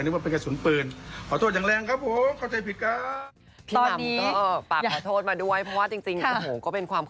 แต่มันอันตรายจริงนะ